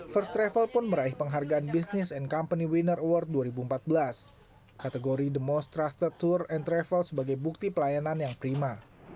first travel pun meraih penghargaan business and company winner award dua ribu empat belas kategori the most trusted tour and travel sebagai bukti pelayanan yang prima